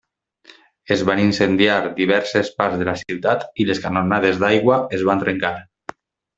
Es van incendiar diverses parts de la ciutat i les canonades d'aigua es van trencar.